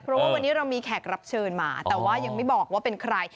เพราะว่าวันนี้เรามีแขกรับเชิญมาแต่ว่ายังไม่บอกว่าเป็นใคร